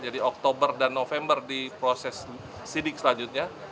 jadi oktober dan november di proses sidik selanjutnya